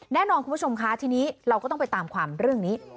แน่นอนคุณผู้ชมคะทีนี้เราก็ต้องไปตามความเรื่องนี้